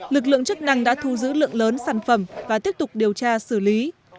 lực lượng chức năng đã thu giữ lượng lớn sản phẩm và tiếp tục điều tra xử lý